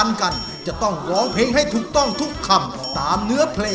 ล่ะฉันก็ควันเบิร์ดเลย